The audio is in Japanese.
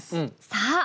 さあ